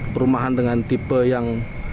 perumahan dengan tipe yang